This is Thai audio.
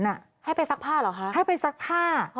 ให้ไปซักผ้าเหรอคะให้ไปซักผ้า